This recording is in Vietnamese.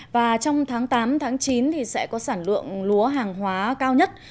và trong tháng tám chín sẽ có sản lượng lúa hàng hóa cao nhất